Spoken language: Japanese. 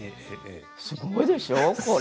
すごいでしょう？